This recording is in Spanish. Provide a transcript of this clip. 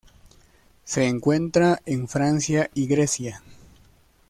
Se encuentra en Francia y Grecia.